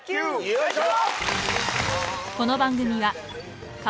よいしょ！